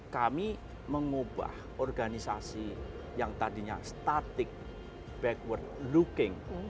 kami mengubah organisasi yang tadinya static backward looking